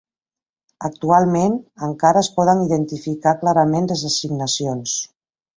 Actualment, encara es poden identificar clarament les assignacions.